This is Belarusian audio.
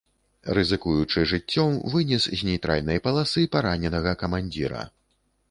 Рызыкуючы жыццём, вынес з нейтральнай паласы параненага камандзіра.